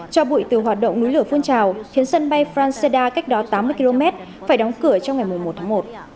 cho bụi từ hoạt động núi lửa phun trào khiến sân bay franceda cách đó tám mươi km phải đóng cửa trong ngày một mươi một tháng một